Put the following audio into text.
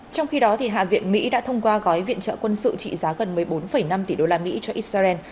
trong khi đó hạ viện mỹ đã thông qua gói viện trợ quân sự trị giá gần một mươi bốn năm tỷ đô la mỹ cho israel